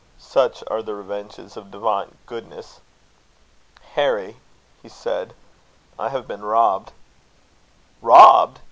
Such are the revenges of divine goodness. "Harry!" he said, "I have been robbed." "Robbed!"